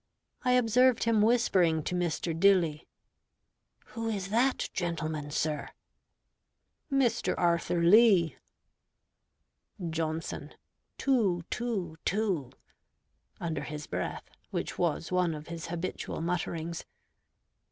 I observed him whispering to Mr. Dilly, "Who is that gentleman, sir?" "Mr. Arthur Lee." Johnson "Too, too, too" (under his breath), which was one of his habitual mutterings.